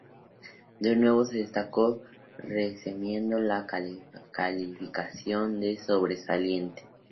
De nuevo se destacó, mereciendo la calificación de sobresaliente.